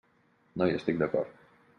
No hi estic d'acord.